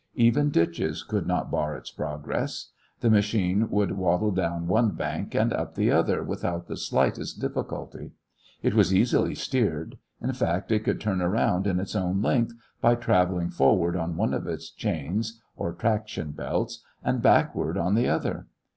Even ditches could not bar its progress. The machine would waddle down one bank and up the other without the slightest difficulty. It was easily steered; in fact, it could turn around in its own length by traveling forward on one of its chains, or traction belts, and backward on the other.